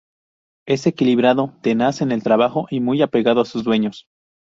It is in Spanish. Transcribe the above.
Es equilibrado, tenaz en el trabajo y muy apegado a sus dueños.